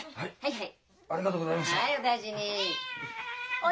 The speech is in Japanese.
はい！